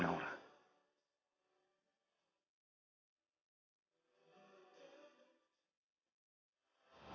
aku mau ke rumah kamu